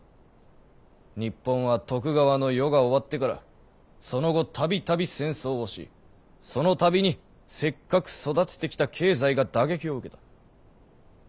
日本は徳川の世が終わってからその後度々戦争をしその度にせっかく育ててきた経済が打撃を受けた。